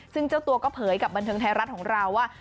ซึ่งเจ้าตัวก็เผยกับบันเทิงไทยรัฐของเราว่า